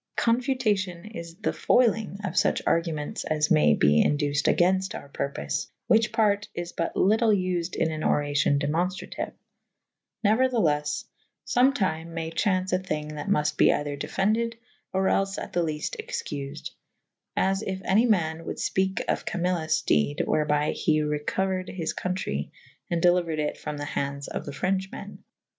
Confutacion is the foilynge of fuche argumentes as maye be induced agaynfte our purpofe / whiche parte is but lytle vfed in an oracion demonftratiue. Neuer the leffe / foratyme may chau«ce a thynge that mufte be eyther defended or els at the lefte' excufed. As if any ma« wolde fpeke of Camillus dede / wherby he recouered his co^trey /& delyuered it ixom the hand^j of the Frenche mew.